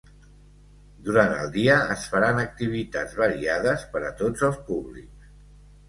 Durant el dia es faran activitats variades per a tots els públics.